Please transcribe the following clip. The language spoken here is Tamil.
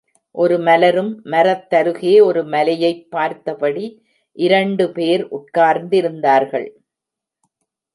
ஒரு மலரும் மரத்தருகே ஒரு மலையைப் பார்த்தபடி இரண்டு பேர் உட்கார்ந்திருந்தார்கள்.